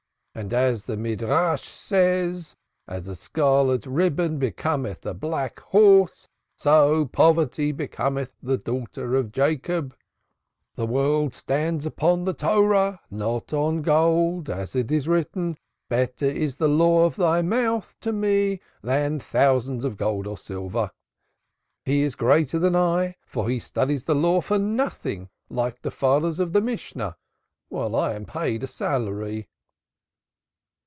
And as the Midrash says: 'As a scarlet ribbon becometh a black horse, so poverty becometh the daughter of Jacob.' The world stands on the Torah, not on gold; as it is written: 'Better is the Law of Thy mouth to me than thousands of gold or silver.' He is greater than I, for he studies the law for nothing like the fathers of the Mishna while I am paid a salary."